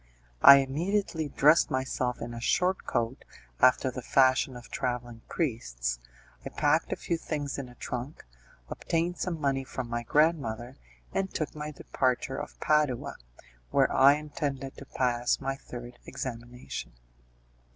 I immediately dressed myself in a short coat, after the fashion of travelling priests, I packed a few things in a trunk, obtained some money from my grandmother, and took my departure for Padua, where I intended to pass my third examination.